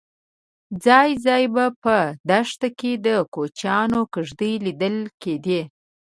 ځای ځای به په دښته کې د کوچیانو کېږدۍ لیدل کېدې.